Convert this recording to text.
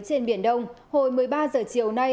trên biển đông hồi một mươi ba giờ chiều nay